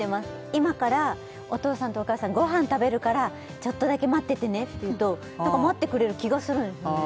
「今からお父さんとお母さん」「ごはん食べるからちょっとだけ待っててね」って言うと待ってくれる気がするんですよね